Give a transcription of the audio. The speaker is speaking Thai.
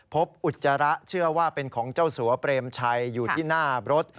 อุจจาระเชื่อว่าเป็นของเจ้าสัวเปรมชัยอยู่ที่หน้ารถ